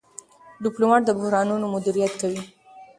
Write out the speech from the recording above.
ډيپلومات د بحرانونو مدیریت کوي.